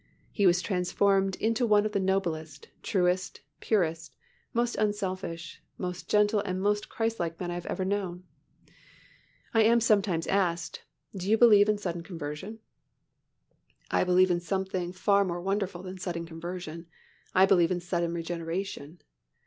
He was transformed into one of the noblest, truest, purest, most unselfish, most gentle and most Christlike men I have ever known. I am sometimes asked, "Do you believe in sudden conversion?" I believe in something far more wonderful than sudden conversion. I believe in sudden regeneration.